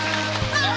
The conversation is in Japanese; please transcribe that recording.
ああ！